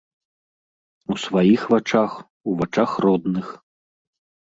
У сваіх вачах, у вачах родных.